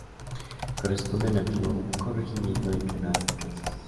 Corresponde al antiguo Corregimiento de Canas y Canchis.